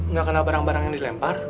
nggak kena barang barang yang dilempar